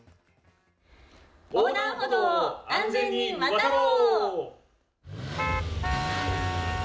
横断歩道を安全に渡ろう。